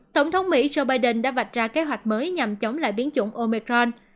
tổng thống mỹ joe biden đã vạch ra kế hoạch mới nhằm chống lại biến chủng omicron